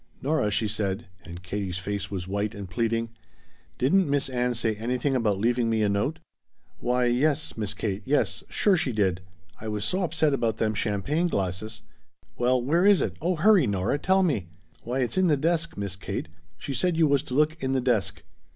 "Nora," she said, and Katie's face was white and pleading, "didn't Miss Ann say anything about leaving me a note?" "Why yes, Miss Kate yes sure she did. I was so upset about them champagne glasses " "Well, where is it? Oh, hurry, Nora. Tell me." "Why it's in the desk, Miss Kate. She said you was to look in the desk."